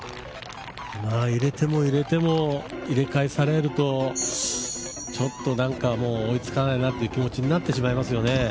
入れても入れても入れ返されると追いつかないなという気持ちになってしまいますよね。